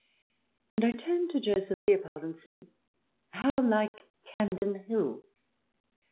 And I turned to Joseph Leopold, and said :" How like Campden Hill